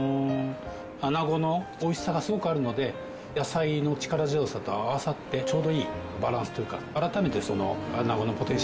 アナゴのおいしさがすごくあるので野菜の力強さと合わさってちょうどいいバランスというか。